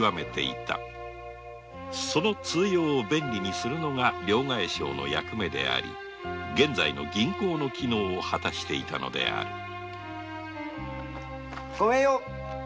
その通用を便利にするのが両替商の役目であり現在の銀行の機能を果たしていたのであるごめんよ。